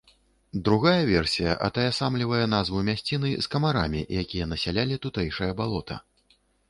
Другая версія атаясамлівае назву мясціны з камарамі, якія насялялі тутэйшае балота.